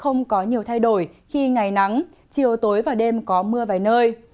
không có nhiều thay đổi khi ngày nắng chiều tối và đêm có mưa vài nơi